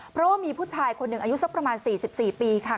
เพราะว่ามีผู้ชายคนหนึ่งอายุสักประมาณ๔๔ปีค่ะ